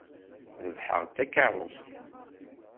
Rebḥeɣ-d takeṛṛust.